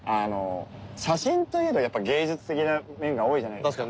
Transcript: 写真といえどやっぱ芸術的な面が多いじゃないですか。